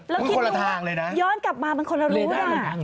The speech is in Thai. แล้วคิดดูว่าย้อนกลับมามันคนละรูปล่ะ